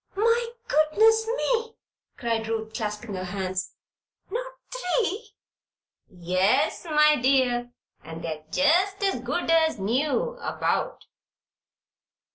"My goodness me!" cried Ruth, clasping her hands. "Not three?" "Yes, my dear. And they're jest as good as new about.